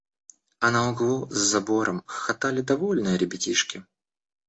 А на углу за забором хохотали довольные ребятишки.